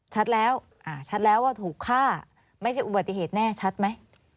ชัดแล้วชัดแล้วว่าถูกฆ่าไม่ใช่อุบัติเหตุแน่ชัดไหม